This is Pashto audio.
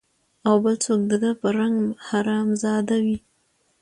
او بل څوک د ده په رنګ حرامزاده وي